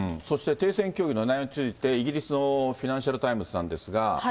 そして停戦協議の内容について、イギリスのフィナンシャルタイムズなんですが。